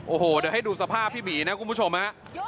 โอ้โหเดี๋ยวให้ดูสภาพพี่หมีนะคุณผู้ชมฮะ